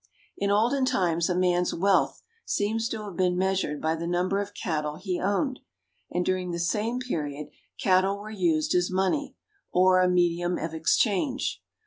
In olden times a man's wealth seems to have been measured by the number of cattle he owned, and during the same period cattle were used as money, or a medium of exchange.